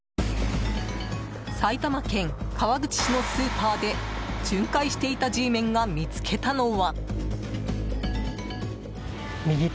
埼玉県川口市のスーパーで巡回していたＧメンが見つけたのは。